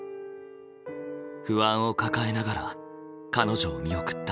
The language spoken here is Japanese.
不安を抱えながら彼女を見送った。